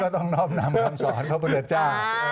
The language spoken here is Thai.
ก็ต้องนอบนำความสอนของพระพุทธเจ้า